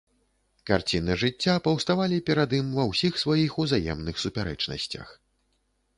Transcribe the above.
Карціны жыцця паўставалі перад ім ва ўсіх сваіх узаемных супярэчнасцях.